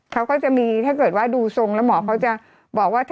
เขาก็จะมีถ้าเกิดว่าดูทรงแล้วหมอเขาจะบอกว่า